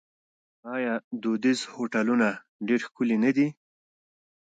آیا دودیز هوټلونه ډیر ښکلي نه دي؟